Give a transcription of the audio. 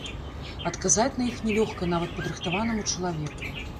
Адказаць на іх не лёгка нават падрыхтаванаму чалавеку.